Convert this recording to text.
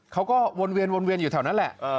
เขาก็วนเวียนอยู่แถวนั้นแหละ